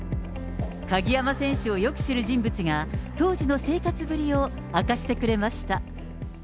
鍵山選手をよく知る人物が、当時の生活ぶりを明かしてくれました。